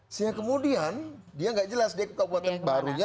sehingga kemudian dia tidak jelas dia itu kabupaten barunya